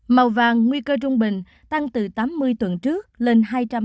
màu vàng nguy cơ trung bình tăng từ tám mươi tuần trước lên hai trăm hai mươi hai